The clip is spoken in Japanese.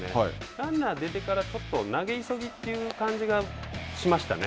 ランナー出てから、ちょっと投げ急ぎという感じがしましたね。